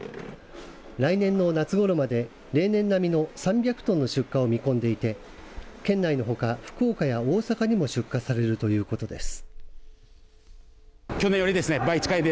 来年の夏ごろまで、例年並みの３００トンの出荷を見込んでいて県内のほか福岡や大阪にも出荷されるということです。